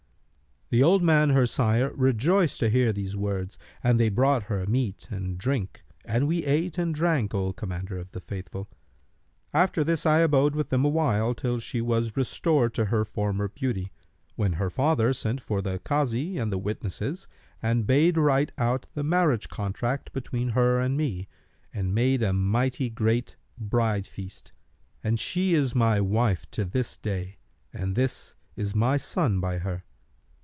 The old man her sire rejoiced to hear these words and they brought her meat and drink and we ate and drank, O Commander of the Faithful. After this, I abode with them awhile, till she was restored to her former beauty, when her father sent for the Kazi and the witnesses and bade write out the marriage contract between her and me and made a mighty great bride feast; and she is my wife to this day and this is my son by her."